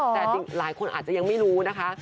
แต่หลายคนอาจจะยังไม่รู้นะคะ